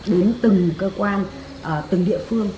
đến từng cơ quan từng địa phương